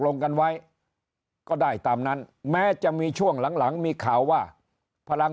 ลงกันไว้ก็ได้ตามนั้นแม้จะมีช่วงหลังมีข่าวว่าพลัง